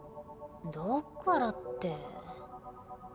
どっからって。